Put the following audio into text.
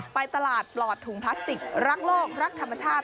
ไปตลาดปลอดถุงพลาสติกรักโลกรักธรรมชาติ